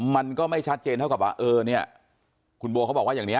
มันก็ไม่ชัดเจนเท่ากับว่าเออเนี่ยคุณโบเขาบอกว่าอย่างนี้